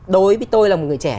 đối với tôi là một người trẻ